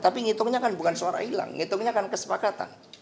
tapi ngitungnya kan bukan suara hilang ngitungnya kan kesepakatan